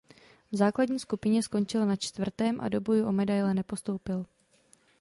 V základní skupině skončil na čtvrtém a do bojů o medaile nepostoupil.